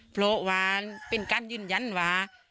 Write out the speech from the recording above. เพราะว่าเป็นการยืนยันว่า